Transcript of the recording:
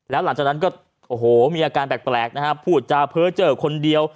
แล้วหลังจากนั้นก็โอ้โหมีอาการแปลกนะฮะพูดจาเพ้อเจอคนเดียว